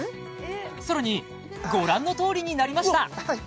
さらにご覧のとおりになりました